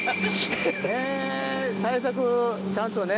へぇ対策ちゃんとね。